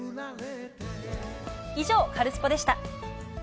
以上、カルスポっ！でした。